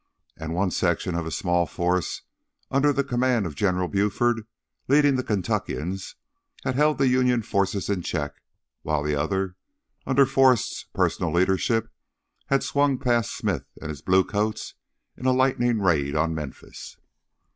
And one section of his small force, under the command of General Buford leading the Kentuckians, had held the Union forces in check, while the other, under Forrest's personal leadership had swung past Smith and his blue coats in a lightning raid on Memphis.